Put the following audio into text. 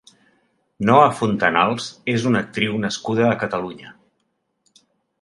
Noa Fontanals és una actriu nascuda a Catalunya.